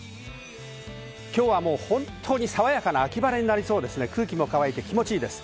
きょうはもう本当に爽やかな秋晴れになりそうですね、空気も乾いて気持ちいいです。